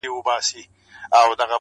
قومندان سره خبري کوي او څه پوښتني کوي،